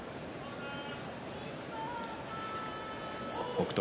北勝